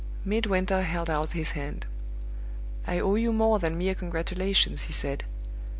Midwinter held out his hand. "I owe you more than mere congratulations," he said.